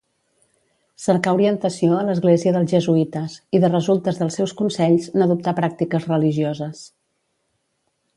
Cercà orientació a l'església dels jesuïtes, i de resultes dels seus consells, n'adoptà pràctiques religioses.